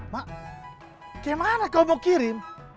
mak gimana kau mau kirim